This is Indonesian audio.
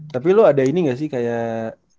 tapi lo ada ini gak sih kayak